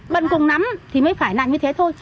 bận cùng nắm thì mới phải làm như thế thôi